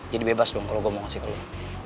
jadi bebas dong kalau gue mau kasih ke lo